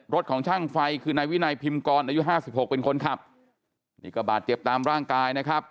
รถของช่างไฟคือนายวินัยพิมกรอายุห้าสิบหกเป็นคนขับนี่ก็บาดเจ็บตามร่างกายนะครับ